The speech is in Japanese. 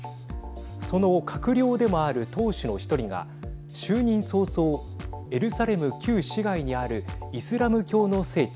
その閣僚でもある党首の１人が就任早々エルサレム旧市街にあるイスラム教の聖地